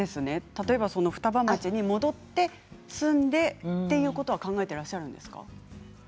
例えば、双葉町に戻って住んでということは考えていらっしゃるんですか。